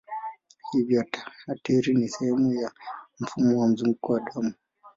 Hivyo ateri ni sehemu ya mfumo wa mzunguko wa damu.